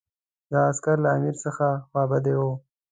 دا عسکر له امیر څخه خوابدي وو.